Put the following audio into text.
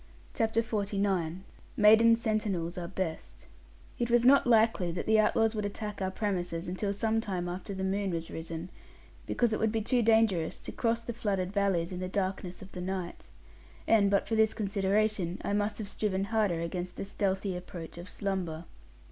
CHAPTER XLIX MAIDEN SENTINELS ARE BEST It was not likely that the outlaws would attack out premises until some time after the moon was risen; because it would be too dangerous to cross the flooded valleys in the darkness of the night. And but for this consideration, I must have striven harder against the stealthy approach of slumber.